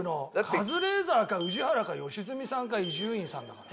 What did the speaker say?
カズレーザーか宇治原か良純さんか伊集院さんだから。